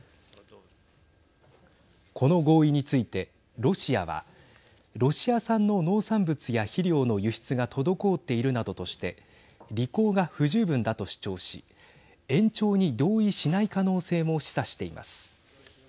この合意について、ロシアはロシア産の農産物や肥料の輸出が滞っているなどとして履行が不十分だと主張し延長に同意しない可能性も示唆しています。